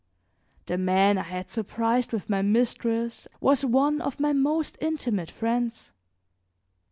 The man I had surprised with my mistress was one of my most intimate friends.